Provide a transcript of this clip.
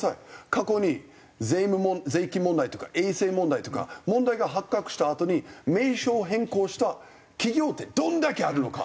過去に税金問題とか衛生問題とか問題が発覚したあとに名称変更した企業ってどんだけあるのか。